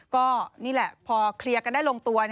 ก็นี่แหละพอเคลียร์กันได้ลงตัว